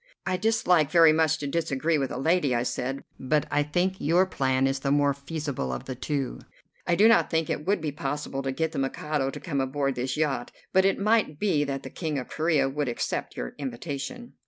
"I dislike very much to disagree with a lady," I said, "but I think your plan is the more feasible of the two. I do not think it would be possible to get the Mikado to come aboard this yacht, but it might be that the King of Corea would accept your invitation."